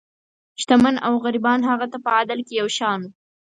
شتمن او غریبان هغه ته په عدل کې یو شان وو.